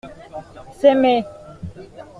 S’aimer.